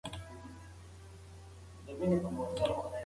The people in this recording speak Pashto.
د غوښې کمول د چاپیریال ساتنې یوه لار ده.